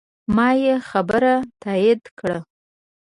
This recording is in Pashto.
ما یې خبره تایید کړه.